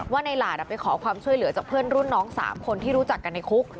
ว่าในหลาดไปขอความช่วยเหลือจากเพื่อนรุ่นน้อง๓คนที่รู้จักกันในคุก